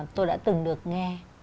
tôi đã từng được nghe